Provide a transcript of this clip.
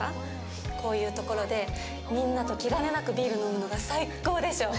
こういう所でみんなと気兼ねなくビール飲むのが最高でしょ！